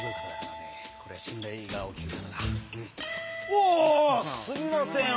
おおすみません。